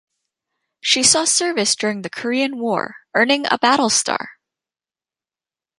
She saw service during the Korean War, earning a battle star.